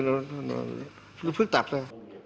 nó cứ phức tạp ra